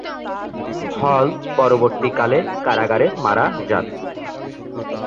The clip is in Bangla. হল পরবর্তীকালে কারাগারে মারা যান।